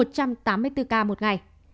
một trăm tám mươi bốn ca một ngày